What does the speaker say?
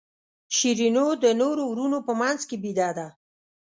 شیرینو د نورو وروڼو په منځ کې بېده ده.